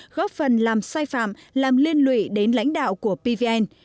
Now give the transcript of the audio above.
góp phần làm sai phạm làm liên lụy đến lãnh đạo của pvn